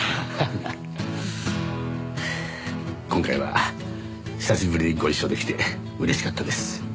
今回は久しぶりにご一緒できて嬉しかったです。